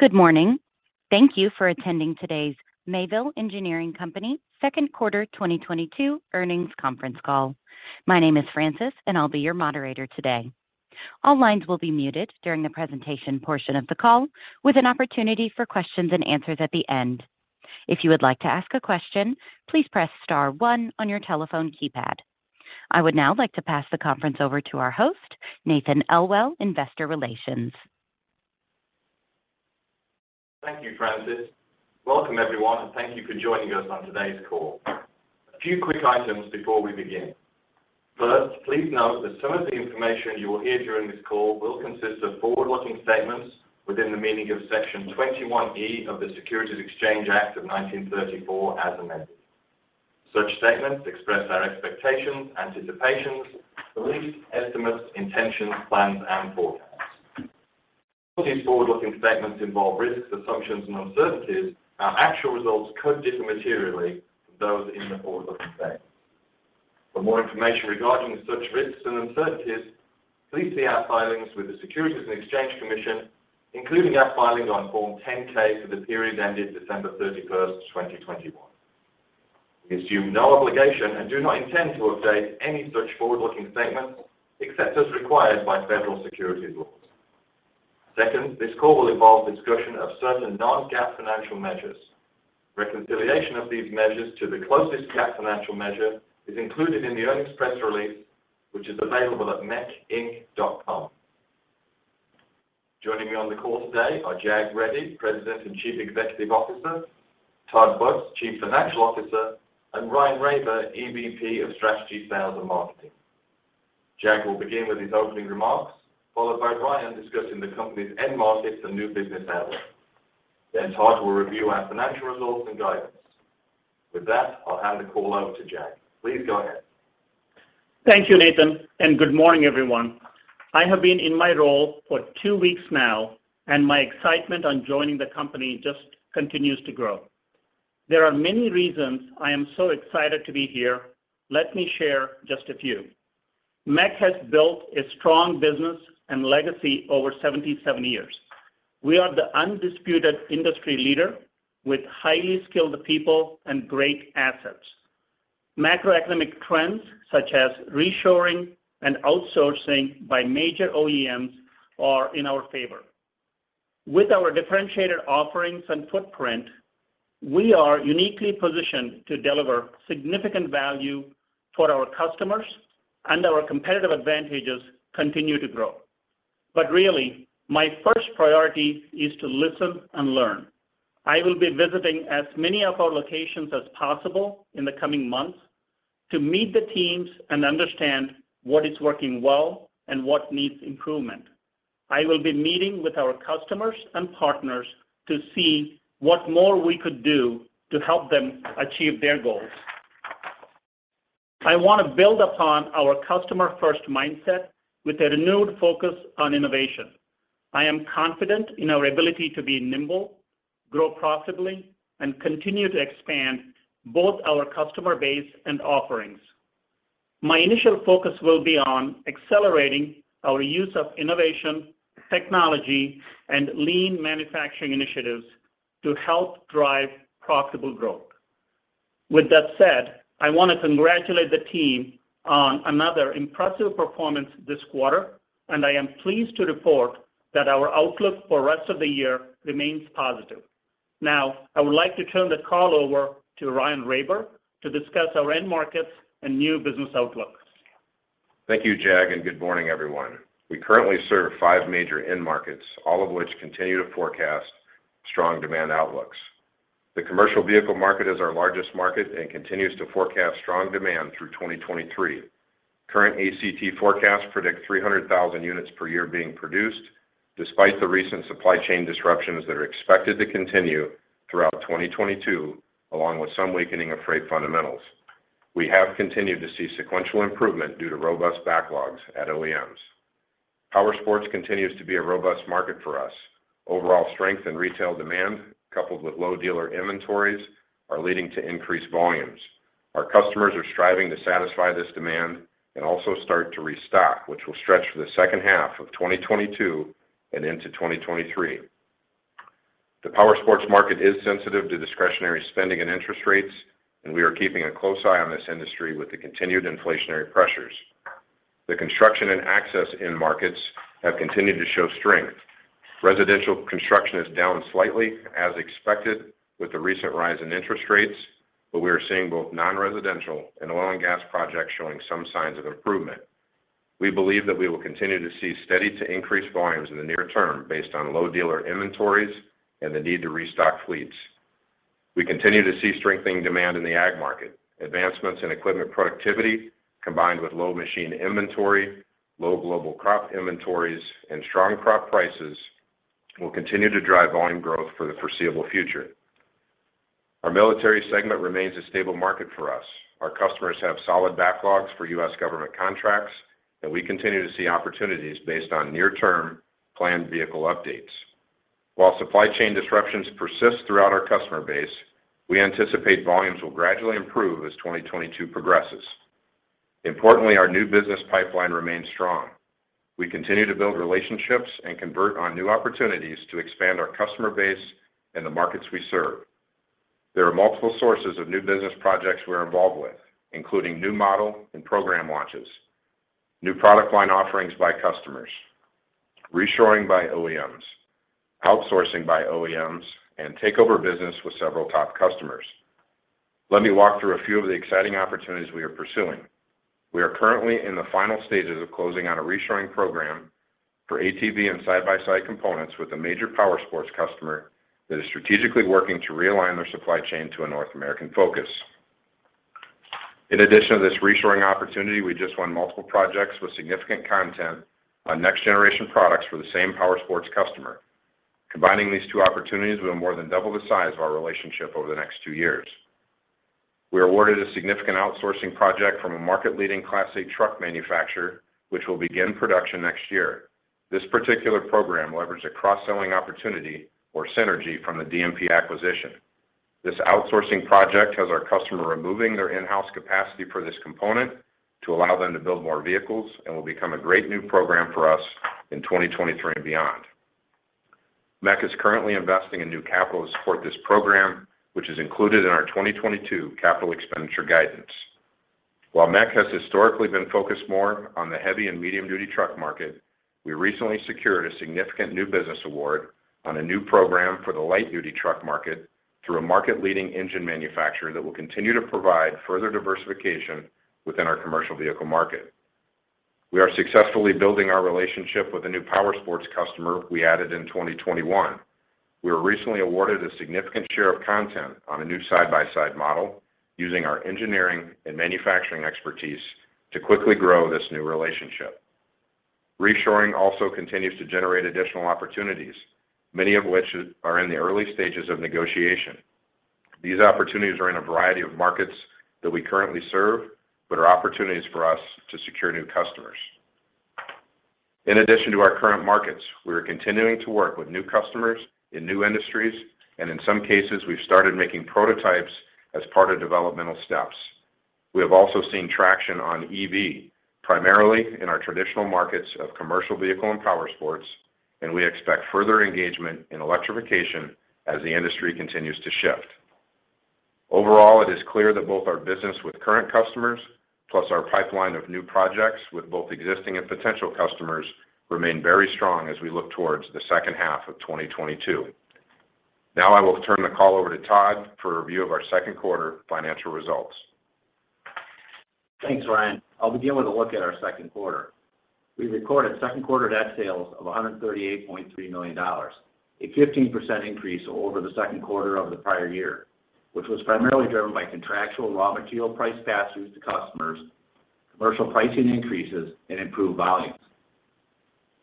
Good morning. Thank you for attending today's Mayville Engineering Company second quarter 2022 earnings conference call. My name is Francis, and I'll be your moderator today. All lines will be muted during the presentation portion of the call, with an opportunity for questions and answers at the end. If you would like to ask a question, please press star one on your telephone keypad. I would now like to pass the conference over to our host, Nathan Elwell, Investor Relations. Thank you, Francis. Welcome, everyone, and thank you for joining us on today's call. A few quick items before we begin. First, please note that some of the information you will hear during this call will consist of forward-looking statements within the meaning of Section 21E of the Securities Exchange Act of 1934 as amended. Such statements express our expectations, anticipations, beliefs, estimates, intentions, plans, and forecasts. All these forward-looking statements involve risks, assumptions, and uncertainties. Our actual results could differ materially from those in the forward-looking statements. For more information regarding such risks and uncertainties, please see our filings with the Securities and Exchange Commission, including our filings on Form 10-K for the period ended December 31, 2021. We assume no obligation and do not intend to update any such forward-looking statements except as required by federal securities laws. Second, this call will involve discussion of certain non-GAAP financial measures. Reconciliation of these measures to the closest GAAP financial measure is included in the earnings press release, which is available at mecinc.com. Joining me on the call today are Jag Reddy, President and Chief Executive Officer, Todd Butz, Chief Financial Officer, and Ryan Raber, EVP of Strategy, Sales, and Marketing. Jag will begin with his opening remarks, followed by Ryan discussing the company's end markets and new business outlook. Then Todd will review our financial results and guidance. With that, I'll hand the call over to Jag. Please go ahead. Thank you, Nathan, and good morning, everyone. I have been in my role for two weeks now, and my excitement on joining the company just continues to grow. There are many reasons I am so excited to be here. Let me share just a few. MEC has built a strong business and legacy over 77 years. We are the undisputed industry leader with highly skilled people and great assets. Macroeconomic trends, such as reshoring and outsourcing by major OEMs are in our favor. With our differentiated offerings and footprint, we are uniquely positioned to deliver significant value for our customers, and our competitive advantages continue to grow. Really, my first priority is to listen and learn. I will be visiting as many of our locations as possible in the coming months to meet the teams and understand what is working well and what needs improvement. I will be meeting with our customers and partners to see what more we could do to help them achieve their goals. I want to build upon our customer-first mindset with a renewed focus on innovation. I am confident in our ability to be nimble, grow profitably, and continue to expand both our customer base and offerings. My initial focus will be on accelerating our use of innovation, technology, and lean manufacturing initiatives to help drive profitable growth. With that said, I want to congratulate the team on another impressive performance this quarter, and I am pleased to report that our outlook for rest of the year remains positive. Now, I would like to turn the call over to Ryan Raber to discuss our end markets and new business outlooks. Thank you, Jag, and good morning, everyone. We currently serve five major end markets, all of which continue to forecast strong demand outlooks. The commercial vehicle market is our largest market and continues to forecast strong demand through 2023. Current ACT forecasts predict 300,000 units per year being produced despite the recent supply chain disruptions that are expected to continue throughout 2022, along with some weakening of freight fundamentals. We have continued to see sequential improvement due to robust backlogs at OEMs. Powersports continues to be a robust market for us. Overall strength in retail demand coupled with low dealer inventories are leading to increased volumes. Our customers are striving to satisfy this demand and also start to restock, which will stretch for the second half of 2022 and into 2023. The powersports market is sensitive to discretionary spending and interest rates, and we are keeping a close eye on this industry with the continued inflationary pressures. The construction and access end markets have continued to show strength. Residential construction is down slightly as expected with the recent rise in interest rates, but we are seeing both non-residential and oil and gas projects showing some signs of improvement. We believe that we will continue to see steady to increased volumes in the near term based on low dealer inventories and the need to restock fleets. We continue to see strengthening demand in the ag market. Advancements in equipment productivity combined with low machine inventory, low global crop inventories, and strong crop prices will continue to drive volume growth for the foreseeable future. Our military segment remains a stable market for us. Our customers have solid backlogs for U.S. government contracts, and we continue to see opportunities based on near-term planned vehicle updates. While supply chain disruptions persist throughout our customer base, we anticipate volumes will gradually improve as 2022 progresses. Importantly, our new business pipeline remains strong. We continue to build relationships and convert on new opportunities to expand our customer base in the markets we serve. There are multiple sources of new business projects we're involved with, including new model and program launches, new product line offerings by customers, reshoring by OEMs, outsourcing by OEMs, and takeover business with several top customers. Let me walk through a few of the exciting opportunities we are pursuing. We are currently in the final stages of closing on a reshoring program for ATV and side-by-side components with a major powersports customer that is strategically working to realign their supply chain to a North American focus. In addition to this reshoring opportunity, we just won multiple projects with significant content on next generation products for the same powersports customer. Combining these two opportunities, we will more than double the size of our relationship over the next two years. We are awarded a significant outsourcing project from a market leading Class 8 truck manufacturer, which will begin production next year. This particular program leverages a cross-selling opportunity or synergy from the DMP acquisition. This outsourcing project has our customer removing their in-house capacity for this component to allow them to build more vehicles and will become a great new program for us in 2023 and beyond. MEC is currently investing in new capital to support this program, which is included in our 2022 capital expenditure guidance. While MEC has historically been focused more on the heavy and medium duty truck market, we recently secured a significant new business award on a new program for the light duty truck market through a market leading engine manufacturer that will continue to provide further diversification within our commercial vehicle market. We are successfully building our relationship with a new powersports customer we added in 2021. We were recently awarded a significant share of content on a new side-by-side model using our engineering and manufacturing expertise to quickly grow this new relationship. Reshoring also continues to generate additional opportunities, many of which are in the early stages of negotiation. These opportunities are in a variety of markets that we currently serve, but are opportunities for us to secure new customers. In addition to our current markets, we are continuing to work with new customers in new industries, and in some cases, we've started making prototypes as part of developmental steps. We have also seen traction on EV, primarily in our traditional markets of commercial vehicle and powersports, and we expect further engagement in electrification as the industry continues to shift. Overall, it is clear that both our business with current customers plus our pipeline of new projects with both existing and potential customers remain very strong as we look towards the second half of 2022. Now I will turn the call over to Todd for a review of our second quarter financial results. Thanks, Ryan. I'll begin with a look at our second quarter. We recorded second quarter net sales of $138.3 million, a 15% increase over the second quarter of the prior year, which was primarily driven by contractual raw material price passes to customers, commercial pricing increases and improved volumes.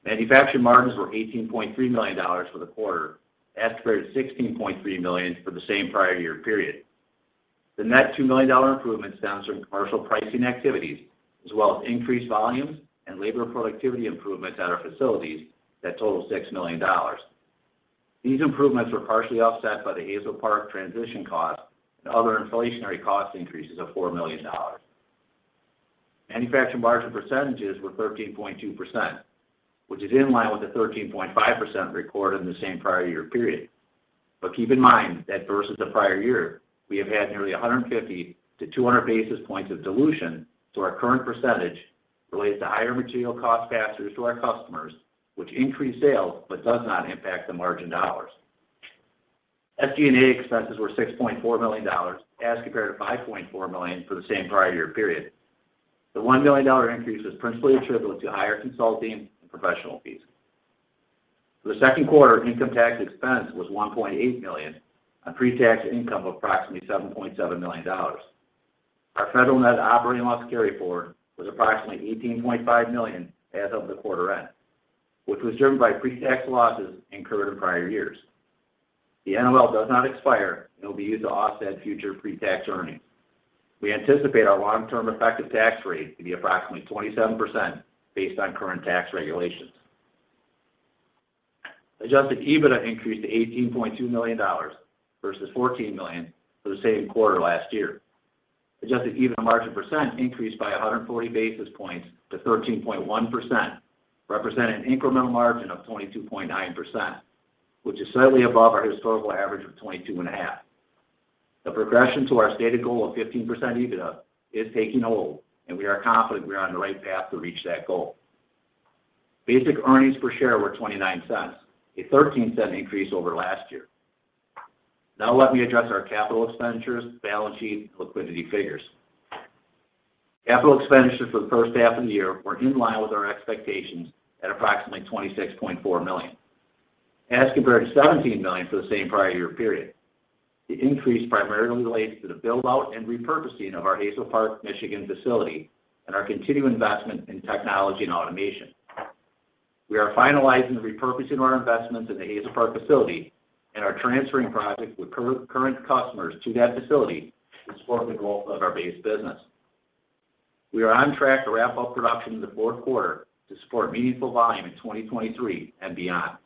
Manufacturing margins were $18.3 million for the quarter as compared to $16.3 million for the same prior year period. The net $2 million dollar improvement stems from commercial pricing activities as well as increased volumes and labor productivity improvements at our facilities that total $6 million. These improvements were partially offset by the Hazel Park transition cost and other inflationary cost increases of $4 million. Manufacturing margin percentages were 13.2%, which is in line with the 13.5% recorded in the same prior year period. Keep in mind that versus the prior year, we have had nearly 150-200 basis points of dilution to our current percentage related to higher material cost passes to our customers, which increase sales but does not impact the margin dollars. SG&A expenses were $6.4 million as compared to $5.4 million for the same prior year period. The $1 million increase was principally attributable to higher consulting and professional fees. For the second quarter, income tax expense was $1.8 million on pre-tax income of approximately $7.7 million. Our federal net operating loss carry forward was approximately $18.5 million as of the quarter end, which was driven by pre-tax losses incurred in prior years. The NOL does not expire, and it'll be used to offset future pre-tax earnings. We anticipate our long-term effective tax rate to be approximately 27% based on current tax regulations. Adjusted EBITDA increased to $18.2 million versus $14 million for the same quarter last year. Adjusted EBITDA margin percent increased by 140 basis points to 13.1%, represent an incremental margin of 22.9%, which is slightly above our historical average of 22.5. The progression to our stated goal of 15% EBITDA is taking hold, and we are confident we are on the right path to reach that goal. Basic earnings per share were $0.29, a $0.13 increase over last year. Now let me address our capital expenditures, balance sheet, and liquidity figures. Capital expenditures for the first half of the year were in line with our expectations at approximately $26.4 million as compared to $17 million for the same prior year period. The increase primarily relates to the build-out and repurposing of our Hazel Park, Michigan facility and our continued investment in technology and automation. We are finalizing the repurposing of our investments in the Hazel Park facility and are transferring projects with current customers to that facility to support the growth of our base business. We are on track to wrap up production in the fourth quarter to support meaningful volume in 2023 and beyond.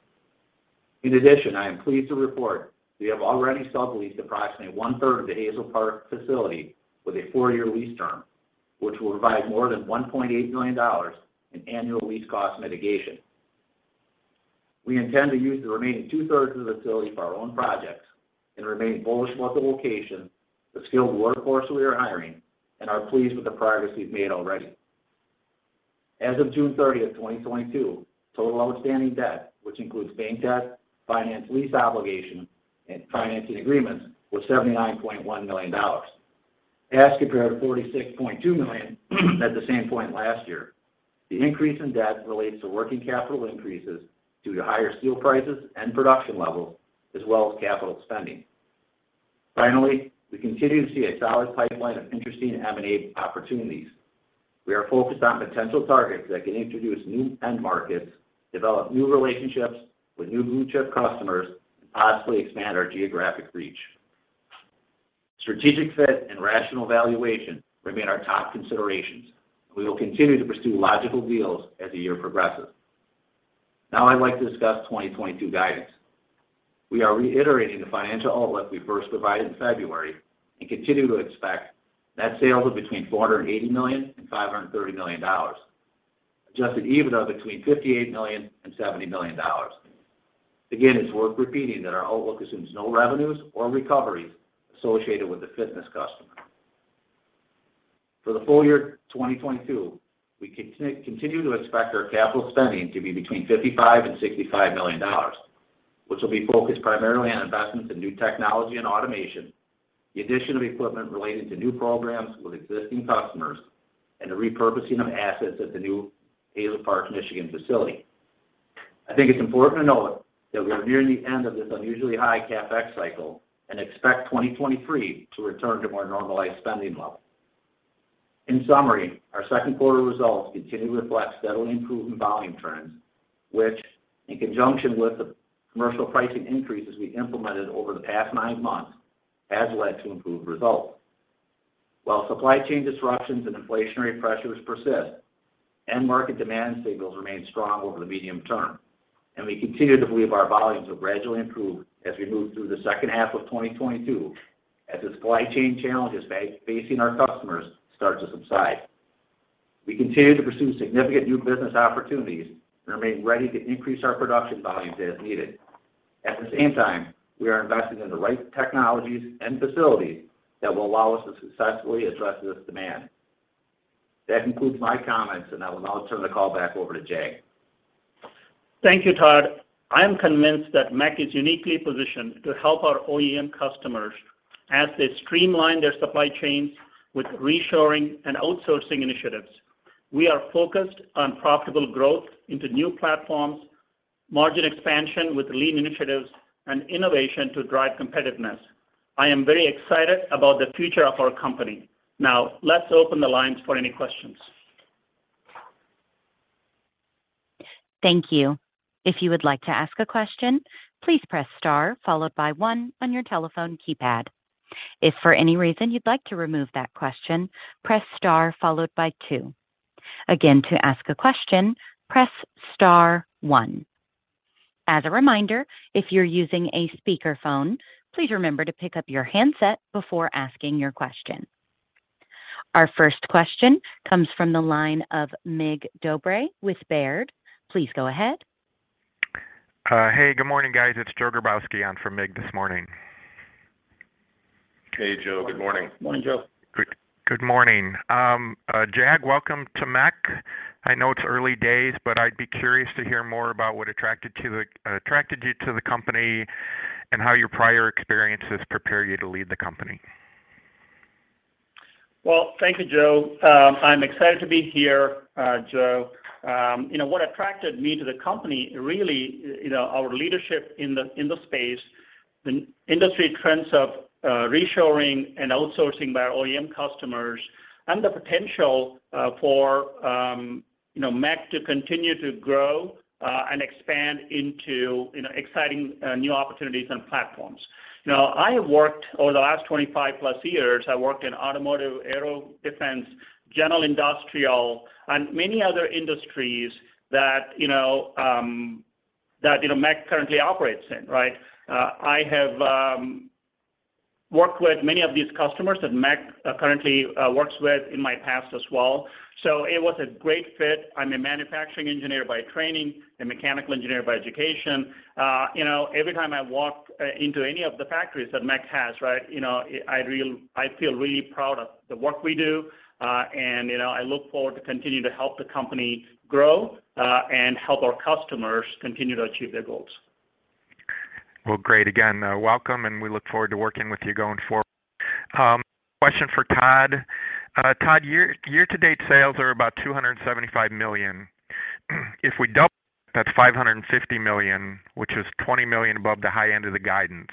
In addition, I am pleased to report we have already subleased approximately one-third of the Hazel Park facility with a four-year lease term, which will provide more than $1.8 million in annual lease cost mitigation. We intend to use the remaining two-thirds of the facility for our own projects and remain bullish about the location, the skilled workforce we are hiring, and are pleased with the progress we've made already. As of June 30, 2022, total outstanding debt, which includes bank debt, finance lease obligation, and financing agreements, was $79.1 million as compared to $46.2 million at the same point last year. The increase in debt relates to working capital increases due to higher steel prices and production levels, as well as capital spending. Finally, we continue to see a solid pipeline of interesting M&A opportunities. We are focused on potential targets that can introduce new end markets, develop new relationships with new blue chip customers, and possibly expand our geographic reach. Strategic fit and rational valuation remain our top considerations. We will continue to pursue logical deals as the year progresses. Now I'd like to discuss 2022 guidance. We are reiterating the financial outlook we first provided in February and continue to expect net sales of between $480 million and $530 million. Adjusted EBITDA between $58 million and $70 million. Again, it's worth repeating that our outlook assumes no revenues or recoveries associated with the fitness customer. For the full year 2022, we continue to expect our capital spending to be between $55 million and $65 million, which will be focused primarily on investments in new technology and automation, the addition of equipment relating to new programs with existing customers, and the repurposing of assets at the new Hazel Park, Michigan facility. I think it's important to note that we are nearing the end of this unusually high CapEx cycle and expect 2023 to return to more normalized spending levels. In summary, our second quarter results continue to reflect steadily improving volume trends, which, in conjunction with the commercial pricing increases we implemented over the past nine months, has led to improved results. While supply chain disruptions and inflationary pressures persist, end market demand signals remain strong over the medium term, and we continue to believe our volumes will gradually improve as we move through the second half of 2022 as the supply chain challenges facing our customers start to subside. We continue to pursue significant new business opportunities and remain ready to increase our production volumes as needed. At the same time, we are investing in the right technologies and facilities that will allow us to successfully address this demand. That concludes my comments, and I will now turn the call back over to Jag. Thank you, Todd. I am convinced that MEC is uniquely positioned to help our OEM customers as they streamline their supply chains with reshoring and outsourcing initiatives. We are focused on profitable growth into new platforms, margin expansion with lean initiatives, and innovation to drive competitiveness. I am very excited about the future of our company. Now, let's open the lines for any questions. Thank you. If you would like to ask a question, please press star followed by one on your telephone keypad. If for any reason you'd like to remove that question, press star followed by two. Again, to ask a question, press star one. As a reminder, if you're using a speakerphone, please remember to pick up your handset before asking your question. Our first question comes from the line of Mig Dobre with Baird. Please go ahead. Hey, good morning, guys. It's Joe Grabowski on for Mig this morning. Hey, Joe. Good morning. Morning, Joe. Good morning. Jag, welcome to MEC. I know it's early days, but I'd be curious to hear more about what attracted you to the company and how your prior experiences prepare you to lead the company? Well, thank you, Joe. I'm excited to be here, Joe. You know what attracted me to the company, really, you know, our leadership in the space, the industry trends of reshoring and outsourcing by our OEM customers and the potential for, you know, MEC to continue to grow and expand into you know exciting new opportunities and platforms. You know, I have worked over the last 25+ years in automotive, aero, defense, general industrial, and many other industries that you know MEC currently operates in, right? I have worked with many of these customers that MEC currently works with in my past as well. It was a great fit. I'm a manufacturing engineer by training, a mechanical engineer by education. You know, every time I walk into any of the factories that MEC has, right, you know, I feel really proud of the work we do. You know, I look forward to continue to help the company grow, and help our customers continue to achieve their goals. Well, great. Again, welcome, and we look forward to working with you going forward. Question for Todd. Todd, year-to-date sales are about $275 million. If we double that's $550 million, which is $20 million above the high end of the guidance.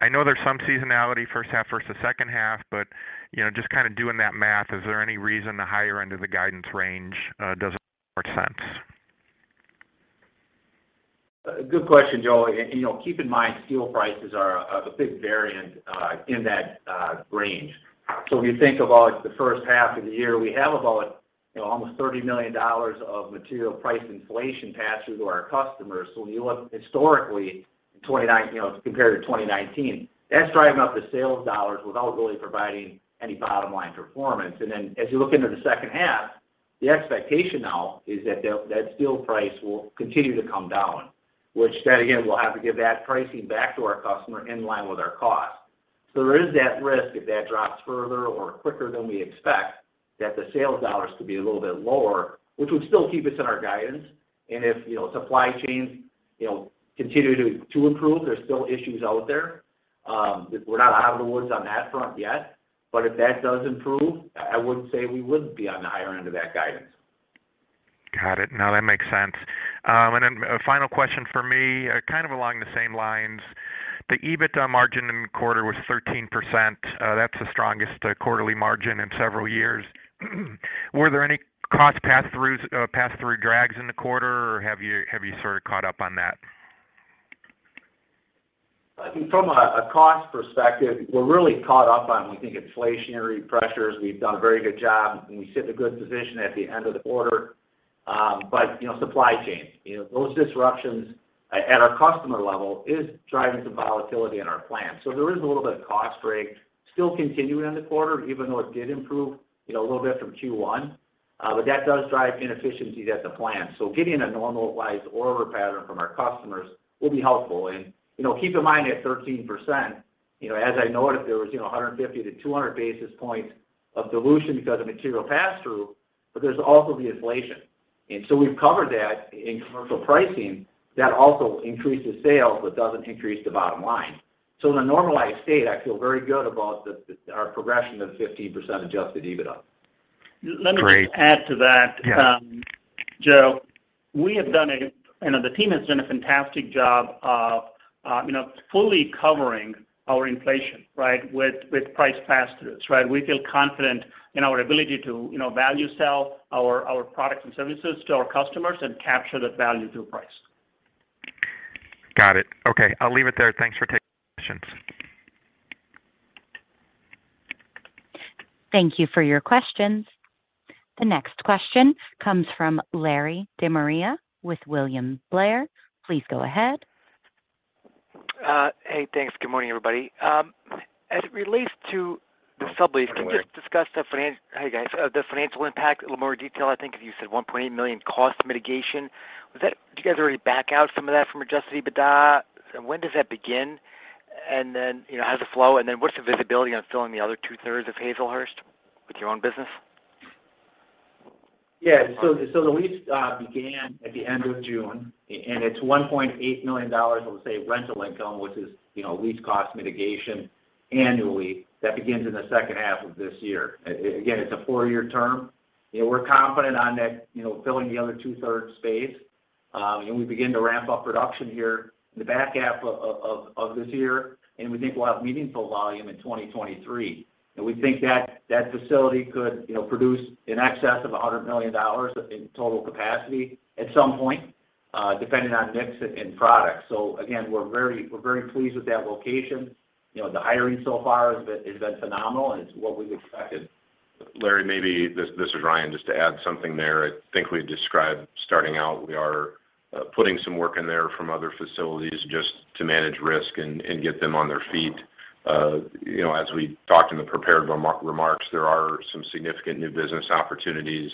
I know there's some seasonality first half versus second half, but, you know, just kinda doing that math, is there any reason the higher end of the guidance range [doesn't make more] sense? Good question, Joe. You know, keep in mind, steel prices are the big variable in that range. If you think of, like, the first half of the year, we have about, you know, almost $30 million of material price inflation passed through to our customers. When you look historically, you know, compared to 2019, that's driving up the sales dollars without really providing any bottom-line performance. As you look into the second half, the expectation now is that that steel price will continue to come down, which then again, we'll have to give that pricing back to our customer in line with our cost. There is that risk if that drops further or quicker than we expect that the sales dollars could be a little bit lower, which would still keep us in our guidance. If, you know, supply chains, you know, continue to improve, there's still issues out there, we're not out of the woods on that front yet. If that does improve, I wouldn't say we wouldn't be on the higher end of that guidance. Got it. No, that makes sense. A final question for me, kind of along the same lines. The EBITDA margin in the quarter was 13%. That's the strongest quarterly margin in several years. Were there any cost pass-throughs, pass-through drags in the quarter, or have you sort of caught up on that? I think from a cost perspective, we're really caught up on, we think, inflationary pressures. We've done a very good job, and we sit in a good position at the end of the quarter. You know, supply chains. You know, those disruptions at our customer level is driving some volatility in our plans. There is a little bit of cost break still continuing in the quarter, even though it did improve, you know, a little bit from Q1. That does drive inefficiencies at the plant. Getting a normalized order pattern from our customers will be helpful. You know, keep in mind at 13%, you know, as I noted, there was, you know, 150-200 basis points of dilution because of material pass-through, but there's also the inflation. We've covered that in commercial pricing. That also increases sales, but doesn't increase the bottom line. In a normalized state, I feel very good about our progression of 15% adjusted EBITDA.. Let me just add to that, Joe. You know, the team has done a fantastic job of, you know, fully covering our inflation, right, with price pass-throughs, right? We feel confident in our ability to, you know, value sell our products and services to our customers and capture that value through price. Got it. Okay. I'll leave it there. Thanks for taking the questions. Thank you for your questions. The next question comes from Larry DeMaria with William Blair. Please go ahead. Hey, thanks. Good morning, everybody. As it relates to the sublease. Good morning, Larry. Hey, guys. The financial impact in a little more detail, I think. Because you said $1.8 million cost mitigation. Was that—did you guys already back out some of that from adjusted EBITDA? When does that begin? Then, you know, how does it flow? What's the visibility on filling the other 2/3 of Hazel Park with your own business? Yeah. The lease began at the end of June, and it's $1.8 million of, say, rental income, which is, you know, lease cost mitigation annually. That begins in the second half of this year. Again, it's a four-year term. You know, we're confident on that, you know, filling the other 2/3 space. We begin to ramp up production here in the back half of this year, and we think we'll have meaningful volume in 2023. We think that facility could, you know, produce in excess of $100 million in total capacity at some point, depending on mix and products. Again, we're very pleased with that location. You know, the hiring so far has been phenomenal, and it's what we've expected. Larry, this is Ryan. Just to add something there. I think we described starting out. We are putting some work in there from other facilities just to manage risk and get them on their feet. You know, as we talked in the prepared remarks, there are some significant new business opportunities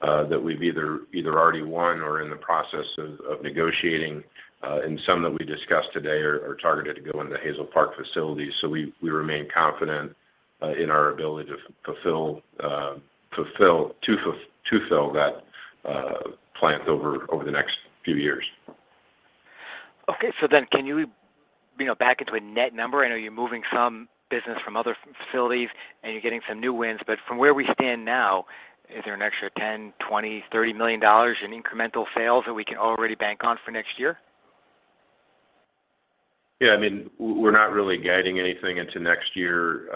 that we've either already won or in the process of negotiating, and some that we discussed today are targeted to go into Hazel Park facilities. We remain confident in our ability to fill that plant over the next few years. Okay. Can you know, back into a net number? I know you're moving some business from other facilities, and you're getting some new wins. From where we stand now, is there an extra $10 million, $20 million, $30 million in incremental sales that we can already bank on for next year? Yeah. I mean, we're not really guiding anything into next year,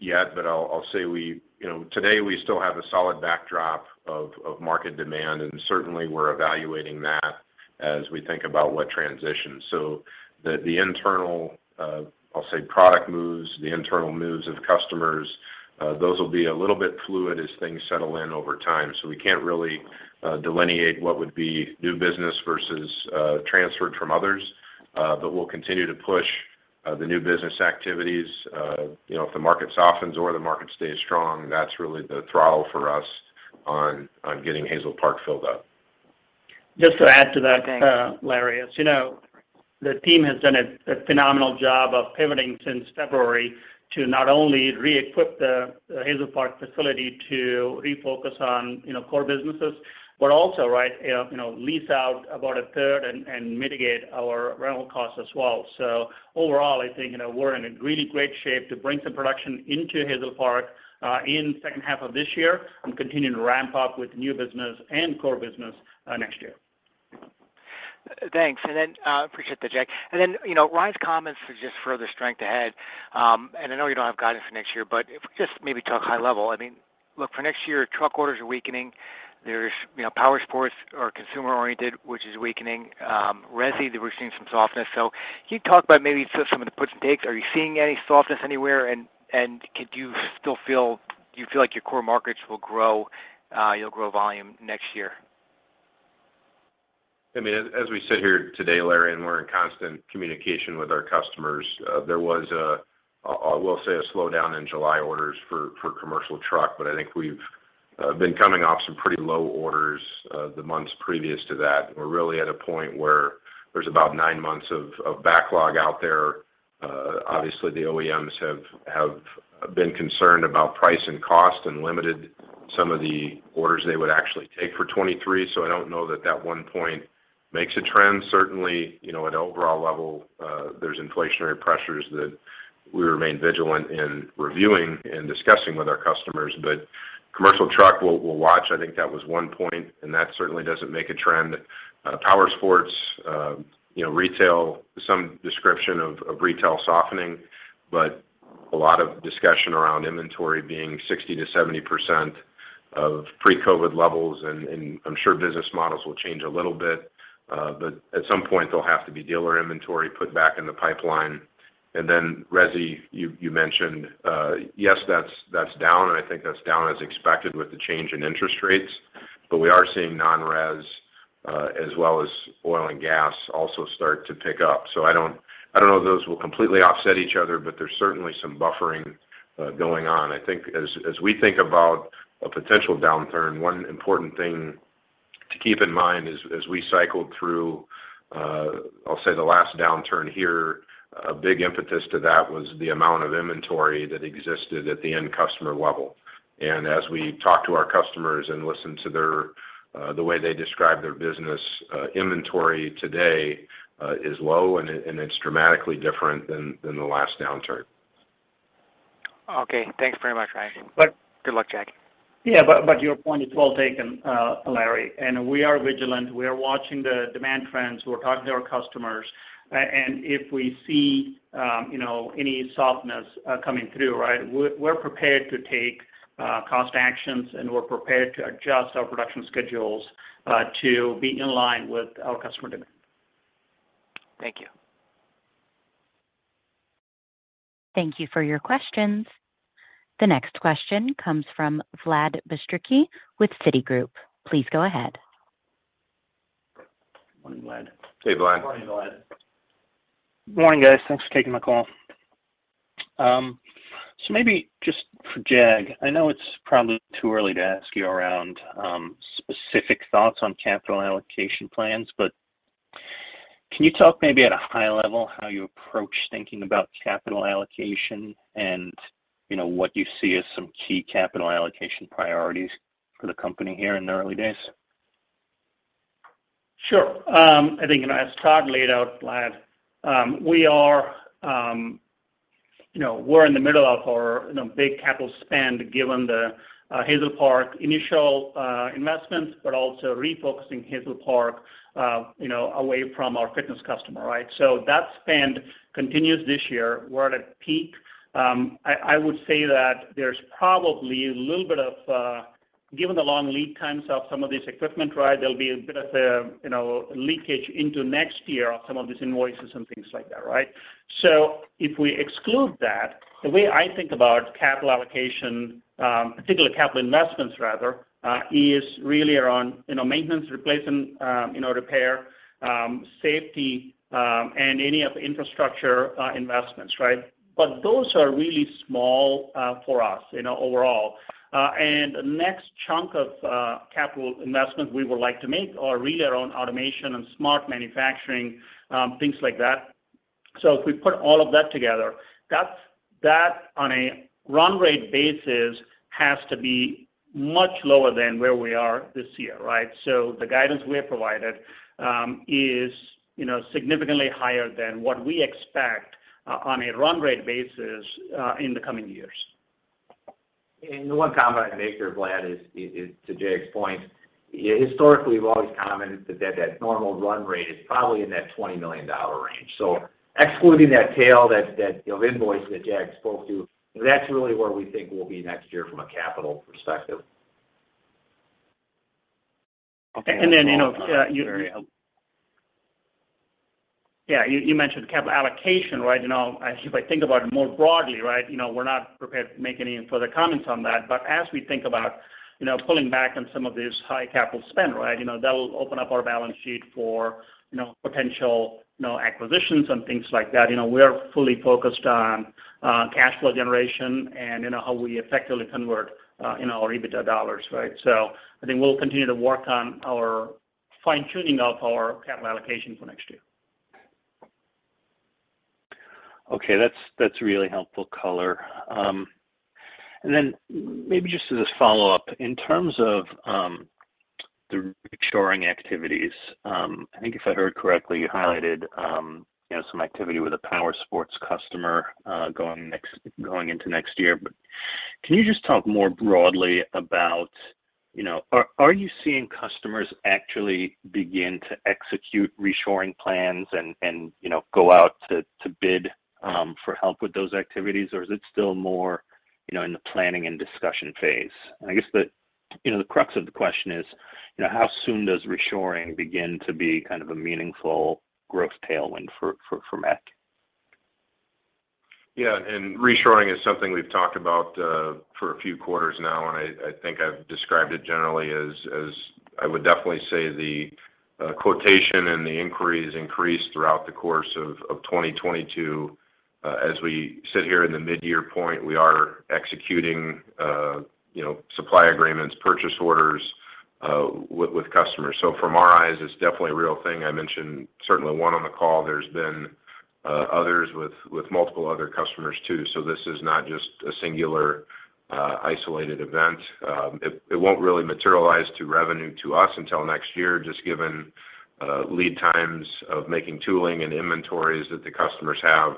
yet. I'll say you know, today we still have a solid backdrop of market demand, and certainly we're evaluating that as we think about what transitions. The internal, I'll say product moves, the internal moves of customers, those will be a little bit fluid as things settle in over time. We can't really delineate what would be new business versus transferred from others. We'll continue to push the new business activities. You know, if the market softens or the market stays strong, that's really the throttle for us on getting Hazel Park filled up. Just to add to that, Larry. As you know, the team has done a phenomenal job of pivoting since February to not only re-equip the Hazel Park facility to refocus on, you know, core businesses, but also, right, you know, lease out about 1/3 and mitigate our rental costs as well. Overall, I think, you know, we're in a really great shape to bring some production into Hazel Park in second half of this year and continue to ramp up with new business and core business next year. Thanks. Appreciate that, Jag. You know, Ryan's comments are just further strength ahead. I know you don't have guidance for next year, but if we just maybe talk high level. I mean, look, for next year, truck orders are weakening. There's, you know, powersports are consumer-oriented, which is weakening. Resi, we're seeing some softness. Can you talk about maybe just some of the puts and takes. Are you seeing any softness anywhere? And do you feel like your core markets will grow, you'll grow volume next year? I mean, as we sit here today, Larry, and we're in constant communication with our customers, there was, we'll say, a slowdown in July orders for commercial truck, but I think we've been coming off some pretty low orders the months previous to that. We're really at a point where there's about nine months of backlog out there. Obviously, the OEMs have been concerned about price and cost and limited some of the orders they would actually take for 2023, so I don't know that one point makes a trend. Certainly, you know, at overall level, there's inflationary pressures that we remain vigilant in reviewing and discussing with our customers. Commercial truck, we'll watch. I think that was one point, and that certainly doesn't make a trend. Powersports, you know, retail, some description of retail softening, but a lot of discussion around inventory being 60%-70% of pre-COVID levels. I'm sure business models will change a little bit, but at some point there'll have to be dealer inventory put back in the pipeline. Then resi, you mentioned, yes, that's down, and I think that's down as expected with the change in interest rates. We are seeing non-res, as well as oil and gas also start to pick up. I don't know if those will completely offset each other, but there's certainly some buffering going on. I think as we think about a potential downturn, one important thing to keep in mind as we cycled through, I'll say the last downturn here, a big impetus to that was the amount of inventory that existed at the end customer level. As we talk to our customers and listen to the way they describe their business, inventory today is low and it's dramatically different than the last downturn. Okay. Thanks very much, Ryan. Good luck, Jag. Yeah, but your point is well taken, Larry. We are vigilant. We are watching the demand trends, we're talking to our customers. If we see, you know, any softness coming through, right, we're prepared to take cost actions, and we're prepared to adjust our production schedules to be in line with our customer demand. Thank you. Thank you for your questions. The next question comes from Vlad Bystricky with Citigroup. Please go ahead. Morning, Vlad. Hey, Vlad. Morning, Vlad. Morning, guys. Thanks for taking my call. Maybe just for Jag, I know it's probably too early to ask you about specific thoughts on capital allocation plans, but can you talk maybe at a high level how you approach thinking about capital allocation and, you know, what you see as some key capital allocation priorities for the company here in the early days? Sure. I think, you know, as Todd laid out, Vlad, we are, you know, we're in the middle of our, you know, big capital spend given the Hazel Park initial investments, but also refocusing Hazel Park, you know, away from our fitness customer, right? That spend continues this year. We're at a peak. I would say that there's probably a little bit of given the long lead times of some of this equipment, right, there'll be a bit of a, you know, leakage into next year on some of these invoices and things like that, right? If we exclude that, the way I think about capital allocation, particular capital investments rather, is really around, you know, maintenance, replacement, you know, repair, safety, and any of the infrastructure investments, right? Those are really small, for us, you know, overall. The next chunk of capital investment we would like to make are really around automation and smart manufacturing, things like that. If we put all of that together, that on a run rate basis has to be much lower than where we are this year, right? The guidance we have provided is, you know, significantly higher than what we expect on a run rate basis in the coming years. The one comment I'd make here, Vlad, is to Jack's point, historically, we've always commented that normal run rate is probably in that $20 million range. Excluding that tail, that of invoice that Jag spoke to, that's really where we think we'll be next year from a capital perspective. Yeah. You mentioned capital allocation, right? You know, if I think about it more broadly, right, you know, we're not prepared to make any further comments on that. As we think about, you know, pulling back on some of this high capital spend, right, you know, that will open up our balance sheet for, you know, potential, you know, acquisitions and things like that. You know, we're fully focused on cash flow generation and, you know, how we effectively convert, you know, our EBITDA dollars, right? I think we'll continue to work on our fine-tuning of our capital allocation for next year. Okay. That's really helpful color. Maybe just as a follow-up, in terms of the reshoring activities, I think if I heard correctly, you highlighted you know, some activity with a powersports customer going into next year. Can you just talk more broadly about you know, are you seeing customers actually begin to execute reshoring plans and you know, go out to bid for help with those activities? Or is it still more you know, in the planning and discussion phase? I guess you know, the crux of the question is you know, how soon does reshoring begin to be kind of a meaningful growth tailwind for MEC? Yeah, reshoring is something we've talked about for a few quarters now, and I think I've described it generally as I would definitely say the quotation and the inquiries increased throughout the course of 2022. As we sit here in the midyear point, we are executing, you know, supply agreements, purchase orders with customers. So from our eyes, it's definitely a real thing. I mentioned certainly one on the call. There's been others with multiple other customers too. So this is not just a singular isolated event. It won't really materialize to revenue to us until next year, just given lead times of making tooling and inventories that the customers have,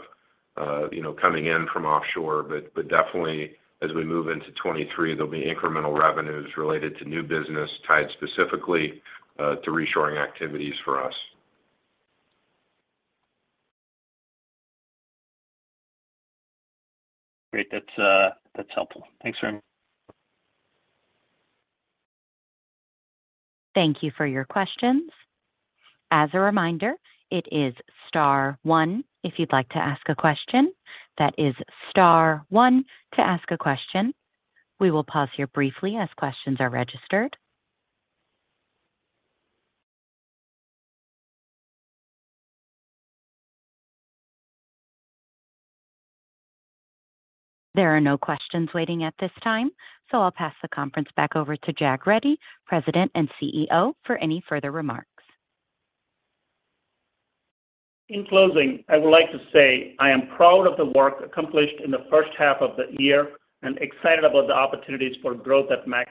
you know, coming in from offshore. Definitely as we move into 2023, there'll be incremental revenues related to new business tied specifically to reshoring activities for us. Great. That's helpful. Thanks very much. Thank you for your questions. As a reminder, it is star one if you'd like to ask a question. That is star one to ask a question. We will pause here briefly as questions are registered. There are no questions waiting at this time, so I'll pass the conference back over to Jag Reddy, President and CEO, for any further remarks. In closing, I would like to say I am proud of the work accomplished in the first half of the year and excited about the opportunities for growth at MEC,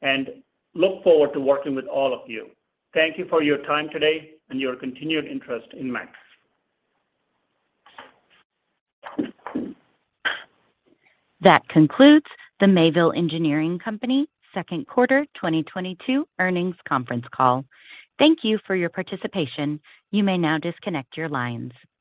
and look forward to working with all of you. Thank you for your time today and your continued interest in MEC. That concludes the Mayville Engineering Company second quarter 2022 earnings conference call. Thank you for your participation. You may now disconnect your lines.